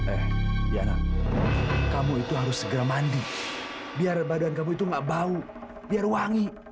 eh biar kamu itu harus segera mandi biar badan kamu itu enggak bau biar wangi